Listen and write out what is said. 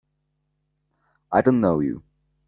I don't know you!